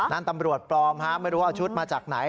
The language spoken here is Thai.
นั่นตำรวจปลอมฮะไม่รู้ว่าเอาชุดมาจากไหน